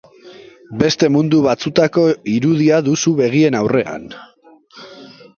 Beste mundu batzutako irudia duzu begien aurrean.